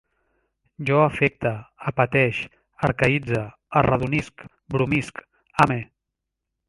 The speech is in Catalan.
Jo afecte, apeteix, arcaïtze, arredonisc, brumisc, ame